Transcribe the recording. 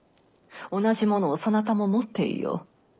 同じ物をそなたも持っていよう。